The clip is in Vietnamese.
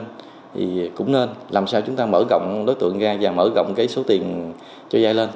thì cũng nên làm sao chúng ta mở rộng đối tượng ra và mở rộng cái số tiền cho dây lên